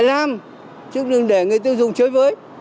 việt nam trước đường đề người tiêu dùng chơi với